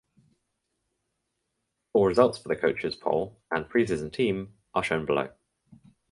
Full results for the coaches poll and preseason team are shown below.